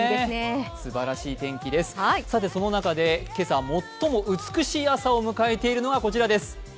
すばらしい天気です、さてその中で今朝、最も美しい朝を迎えているのがこちらです。